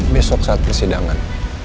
besok saat persidangan